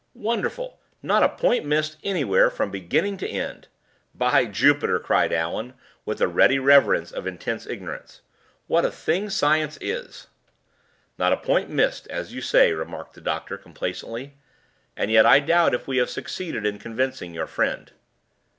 "Wonderful! not a point missed anywhere from beginning to end! By Jupiter!" cried Allan, with the ready reverence of intense ignorance. "What a thing science is!" "Not a point missed, as you say," remarked the doctor, complacently. "And yet I doubt if we have succeeded in convincing your friend."